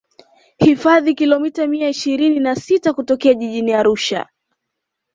hifadhi kilomita mia ishirini na sita kutokea jijini arusha